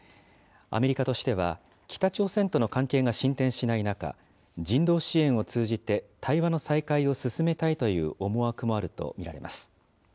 アメリカとしては、北朝鮮との関係が進展しない中、人道支援を通じて、対話の再開を進めたいという思惑もあると見られます。